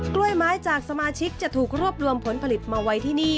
กล้วยไม้จากสมาชิกจะถูกรวบรวมผลผลิตมาไว้ที่นี่